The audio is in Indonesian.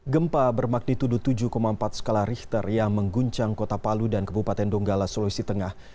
gempa bermagnitudo tujuh empat skala richter yang mengguncang kota palu dan kebupaten donggala sulawesi tengah